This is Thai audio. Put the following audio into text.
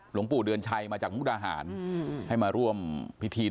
หลวงปู่เดือนชัยมาจากมกดาหารอืมให้มาร่วมพิธีในครองสมัย